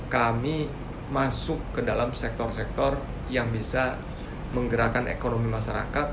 kami masuk ke dalam sektor sektor yang bisa menggerakkan ekonomi masyarakat